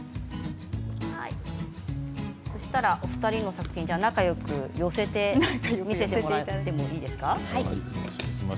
お二人の作品、仲よく寄せて見せてもらっていいですか。